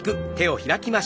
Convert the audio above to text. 開きます。